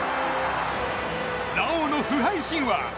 ラオウの不敗神話。